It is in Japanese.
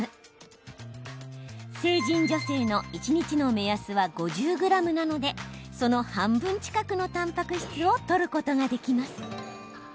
成人女性の一日の目安は５０ｇなのでその半分近くのたんぱく質をとることができます。